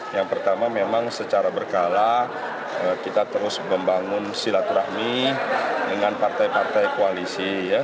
yang pertama memang secara berkala kita terus membangun silaturahmi dengan partai partai koalisi